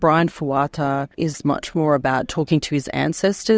brian fuata lebih banyak berbunyi tentang berbicara dengan